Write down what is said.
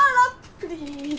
プリーズ。